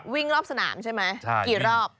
วิ่งรอบสนามใช่ไหมกี่รอบ